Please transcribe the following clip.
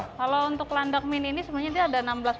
kalau untuk landak mini ini sebenarnya ada enam belas variasi